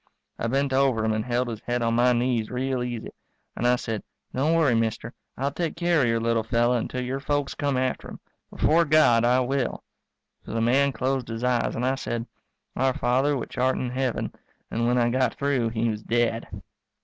I bent over him and held his head on my knees real easy, and I said, "Don't worry, mister, I'll take care of your little fellow until your folks come after him. Before God I will." So the man closed his eyes and I said, Our Father which art in Heaven, and when I got through he was dead.